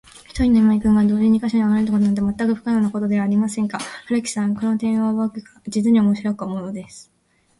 ひとりの今井君が、同時に二ヵ所にあらわれるなんて、まったく不可能なことじゃありませんか。春木さん、この点をぼくは、じつにおもしろく思うのです。